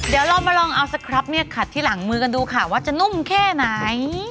เดี๋ยวเรามาลองเอาสครับเนี่ยขัดที่หลังมือกันดูค่ะว่าจะนุ่มแค่ไหน